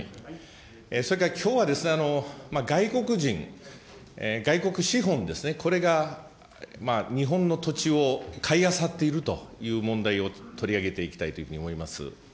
それからきょうはですね、外国人、外国資本ですね、これが日本の土地を買いあさっているという問題を取り上げていきたいというふうに思います。